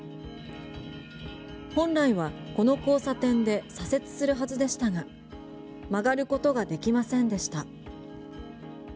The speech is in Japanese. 本来はこの交差点で左折するはずでしたが曲がることができませんでした。